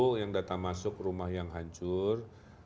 ada lima puluh delapan yang datang masuk rumah yang hancur